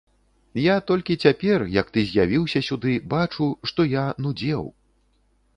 Я толькі цяпер, як ты з'явіўся сюды, бачу, што я нудзеў.